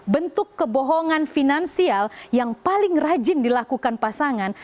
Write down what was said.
bentuk kebohongan finansial yang paling rajin dilakukan pasangan